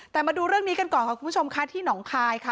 แต่มาดูเรื่องนี้กันก่อนค่ะคุณผู้ชมค่ะที่หนองคายค่ะ